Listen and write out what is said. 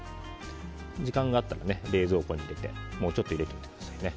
時間があったら冷蔵庫に入れてもうちょっと入れておいてください。